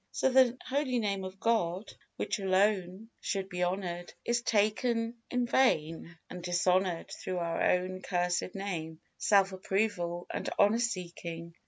So the holy Name of God, which alone should be honored, is taken in vain and dishonored through our own cursed name, self approval and honor seeking.